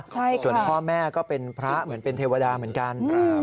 ส่วนพ่อแม่ก็เป็นพระเหมือนเป็นเทวดาเหมือนกัน